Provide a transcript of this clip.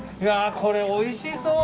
これ、おいしそう。